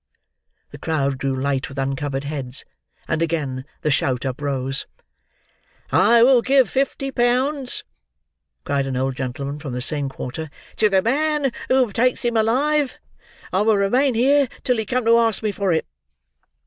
The crowd grew light with uncovered heads; and again the shout uprose. "I will give fifty pounds," cried an old gentleman from the same quarter, "to the man who takes him alive. I will remain here, till he come to ask me for it."